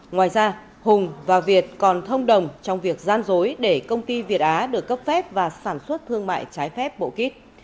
ngoài ra hùng và việt còn thông đồng trong việc gian dối để công ty việt á được cấp phép và sản xuất thương mại trái phép bộ kít